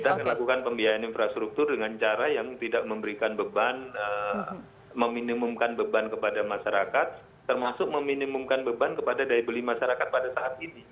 kita melakukan pembiayaan infrastruktur dengan cara yang tidak memberikan beban meminimumkan beban kepada masyarakat termasuk meminimumkan beban kepada daya beli masyarakat pada saat ini